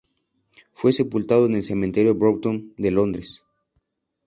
Fue sepultado en el Cementerio Brompton de Londres.